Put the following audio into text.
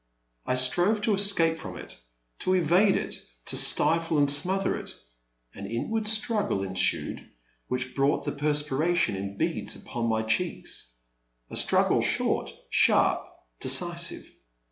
I strove to escape from it, to evade it, to stifle and smother it ; an inward struggle ensued which brought the perspiration in beads upon my cheeks, — a struggle short, sharp, decisive.